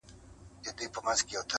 کوڅو اخیستي دي ماشوم زخمونه!!